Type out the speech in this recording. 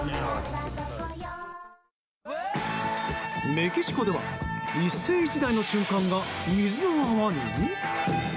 メキシコでは一世一代の瞬間が水の泡に？